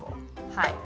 はい。